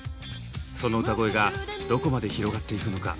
その歌声がどこまで広がっていくのか？